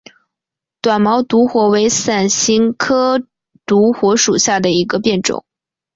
短毛独活为伞形科独活属下的一个变种。